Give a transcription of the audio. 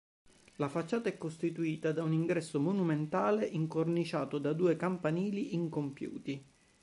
La facciata è costituita da un ingresso monumentale incorniciato da due campanili incompiuti.